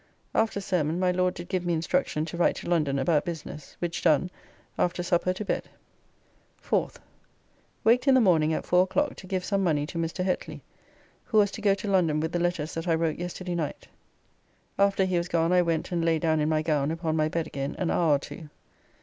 After sermon my Lord did give me instruction to write to London about business, which done, after supper to bed. 4th. Waked in the morning at four o'clock to give some money to Mr. Hetly, who was to go to London with the letters that I wrote yesterday night. After he was gone I went and lay down in my gown upon my bed again an hour or two.